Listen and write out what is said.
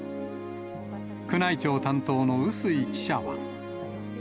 宮内庁担当の笛吹記者は。